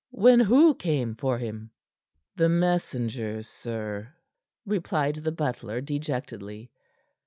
"When who came for him?" "The messengers, sir," replied the butler dejectedly.